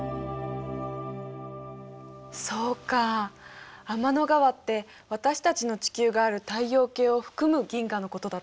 そうか天の川って私たちの地球がある太陽系を含む銀河のことだったんだ。